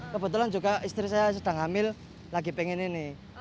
kebetulan juga istri saya sedang hamil lagi pengen ini